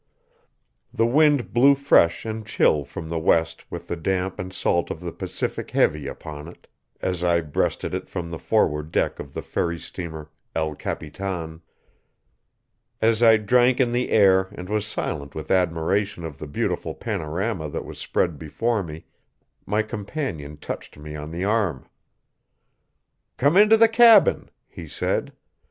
The wind blew fresh and chill from the west with the damp and salt of the Pacific heavy upon it, as I breasted it from the forward deck of the ferry steamer, El Capitan. As I drank in the air and was silent with admiration of the beautiful panorama that was spread before me, my companion touched me on the arm. "Come into the cabin," he said.